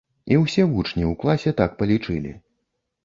І ўсе вучні ў класе так палічылі.